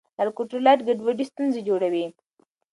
د الیکټرولیټ ګډوډي ستونزې جوړوي.